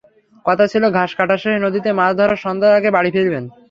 কথা ছিল ঘাস কাটা শেষে নদীতে মাছ ধরে সন্ধ্যার আগে বাড়ি ফিরবেন।